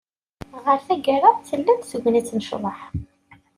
Ɣer taggara, tella-d tegnit n ccḍeḥ.